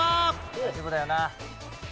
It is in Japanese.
大丈夫だよな。